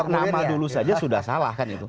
nama dulu saja sudah salah